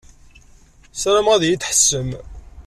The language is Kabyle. Sarameɣ ad yi-d-tḥessem.